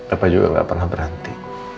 apa juga nggak pernah berhenti